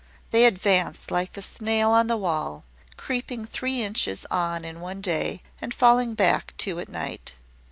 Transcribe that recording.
They advance like the snail on the wall, creeping three inches on in the day, and falling back two at night.